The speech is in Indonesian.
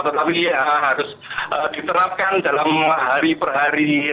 tetapi harus diterapkan dalam hari per hari